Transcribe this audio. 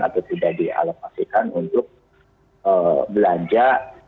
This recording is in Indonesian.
atau tidak dialokasikan untuk belanja